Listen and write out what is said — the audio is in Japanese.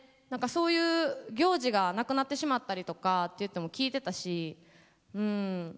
何かそういう行事がなくなってしまったりとかっていっても聞いてたしうん。